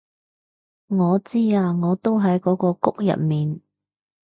我知啊我都喺嗰個谷入面